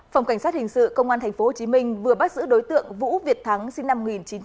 phòng cảnh sát hình sự công an tp hcm vừa bác sử đối tượng vũ việt thắng sinh năm một nghìn chín trăm tám mươi tám